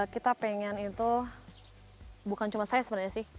kita pengen itu bukan cuma saya sebenarnya sih